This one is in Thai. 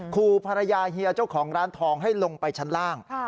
ขู่ภรรยาเฮียเจ้าของร้านทองให้ลงไปชั้นล่าง